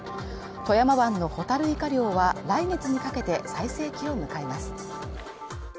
富山湾のホタルイカ漁は来月にかけて最盛期を迎えます。